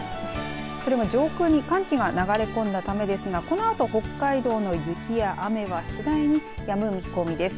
それも上空に寒気が流れ込んだためですがこのあと北海道の雪や雨は次第にやむ見込みです。